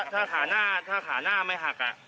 ถ้าขาหน้าไม่หัก